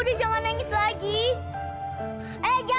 selamat kerja bu